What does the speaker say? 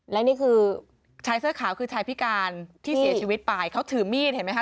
และนี่คือชายเสื้อขาวคือชายพิการที่เสียชีวิตไปเขาถือมีดเห็นไหมคะ